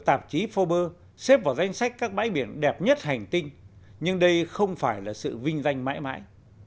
tạp chí forbes xếp vào danh sách các bãi biển đẹp nhất hành tinh nhưng đây không phải là sự vinh danh mãi mãi